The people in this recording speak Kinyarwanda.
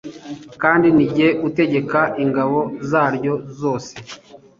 kandi ni jye utegeka ingabo zaryo zose